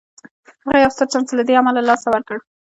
هغه يو ستر چانس له دې امله له لاسه ورکړ.